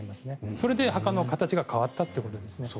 それで墓の形が変わったということですね。